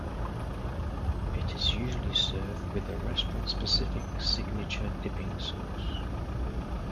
It is usually served with a restaurant-specific signature dipping sauce.